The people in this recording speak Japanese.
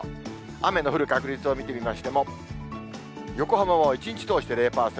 雨の降る確率を見てみましても、横浜は一日通して０％。